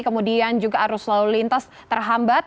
kemudian juga arus lalu lintas terhambat